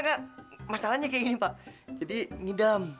puh tuh bestimmnya siapa profesi